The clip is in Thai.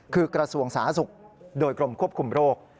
คือกระทรวงสาธารณสุขโดยกรมควบคุมโรค